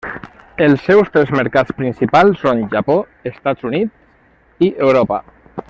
Els seus tres mercats principals són Japó, Estats Units i Europa.